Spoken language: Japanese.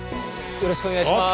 よろしくお願いします。